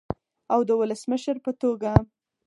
او د ولسمشر په توګه